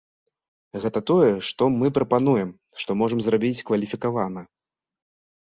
Гэта тое, што мы прапануем, што можам зрабіць кваліфікавана.